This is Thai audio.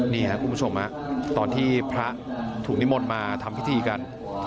นี่ครับคุณผู้ชมตอนที่พระถูกนิมนต์มาทำพิธีกัน